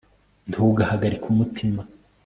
ntugahagarike umutima